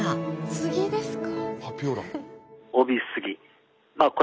杉ですか？